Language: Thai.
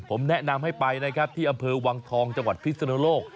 ผมแนะนำให้ไปนะครับที่อำเภอวังทองจังหวัดพิศนุโลก